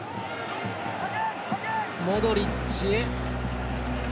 モドリッチへ。